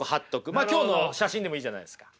今日の写真でもいいじゃないですか。